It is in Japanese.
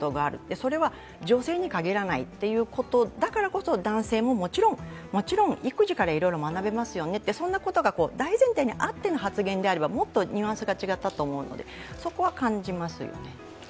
それは女性に限らないということ、だからこそ男性ももちろん育児からいろいろ学べますよね、そんなことが大前提にあっての発言であれば、もっとニュアンスが違ったと思うので、そこは感じますよね。